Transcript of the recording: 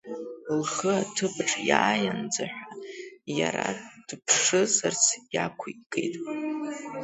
Лхы аҭыԥаҿ иааиаанӡа ҳәа, иара дыԥшызарц иақәикит.